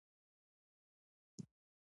که سبق ووایو نو ازموینه کې نه ناکامیږو.